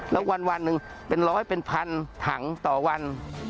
แล้ววันหนึ่งเป็นร้อยเป็นพันถังต่อวัน